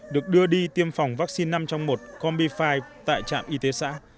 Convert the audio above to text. được đưa đi tiêm phòng vaccine năm trong một combi năm tại trạm y tế xã